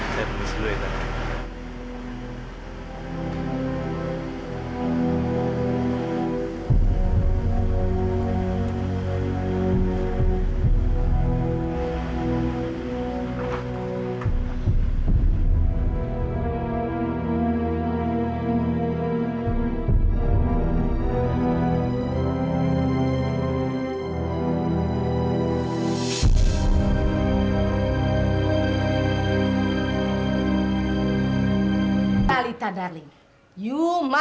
terima kasih atas kasih dealingnya